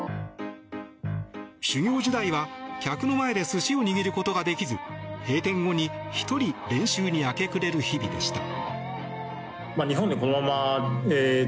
修業時代は客の前で寿司を握ることができず閉店後に、１人練習に明け暮れる日々でした。